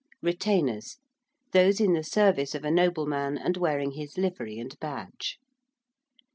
~retainers~: those in the service of a nobleman and wearing his livery and badge.